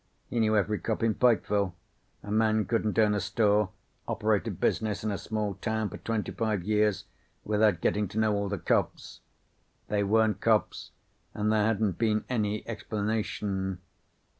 He knew every cop in Pikeville. A man couldn't own a store, operate a business in a small town for twenty five years without getting to know all the cops. They weren't cops and there hadn't been any explanation.